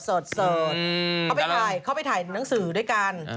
สดเขาไปถ่ายเข้าไปถ่ายหนังสือด้วยกัน